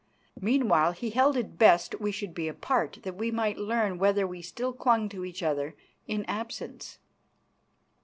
Meanwhile he held it best we should be apart that we might learn whether we still clung to each other in absence.